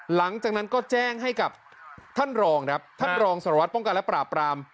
หลังจากนั้นก็แจ้งให้กับท่านรองครับท่านรองสารวัตรป้องกันและปราบปราม